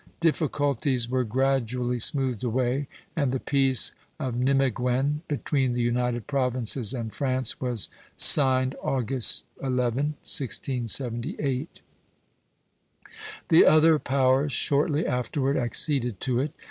Difficulties were gradually smoothed away, and the Peace of Nimeguen between the United Provinces and France was signed August 11, 1678. The other powers shortly afterward acceded to it.